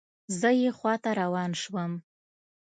زه یې خواته روان شوم.